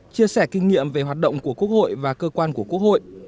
chia sẻ kinh nghiệm về hoạt động của quốc hội và cơ quan của quốc hội